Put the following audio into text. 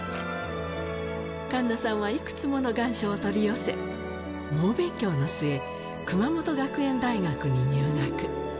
栞奈さんはいくつもの願書を取り寄せ、猛勉強の末、熊本学園大学に入学。